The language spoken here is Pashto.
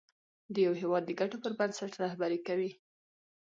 د یو هېواد د ګټو پر بنسټ رهبري کوي.